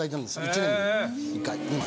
１年に１回２枚。